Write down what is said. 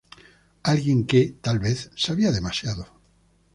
Alguien que, tal vez, sabía demasiado.